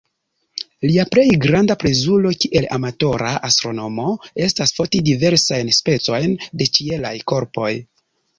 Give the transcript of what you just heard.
Lia plej granda plezuro kiel amatora astronomo estas foti diversajn specojn de ĉielaj korpoj.